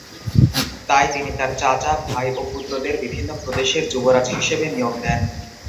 তাই তিনি তার চাচা, ভাই ও পুত্রদের বিভিন্ন প্রদেশের যুবরাজ হিসেবে নিয়োগ দেন।